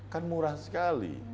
kan murah sekali